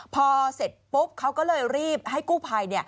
พอเสร็จปุ๊บเขาก็เลยรีบให้กู้ภัย